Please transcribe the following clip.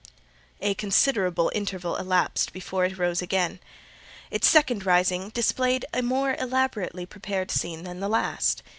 A considerable interval elapsed before it again rose. Its second rising displayed a more elaborately prepared scene than the last.